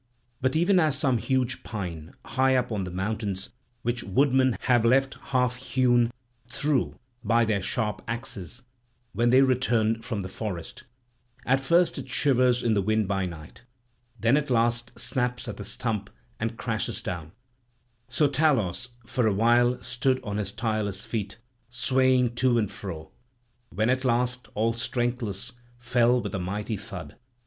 But even as some huge pine, high up on the mountains, which woodmen have left half hewn through by their sharp axes when they returned from the forest—at first it shivers in the wind by night, then at last snaps at the stump and crashes down; so Talos for a while stood on his tireless feet, swaying to and fro, when at last, all strengthless, fell with a mighty thud.